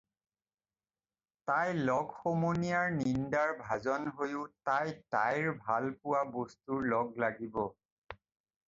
তাই লগ সমনীয়াৰ নিন্দাৰ ভাজন হৈয়ো তাই তাইৰ ভাল পোৱা বস্তুৰ লগ লাগিব।